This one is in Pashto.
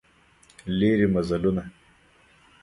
لیري مزلونه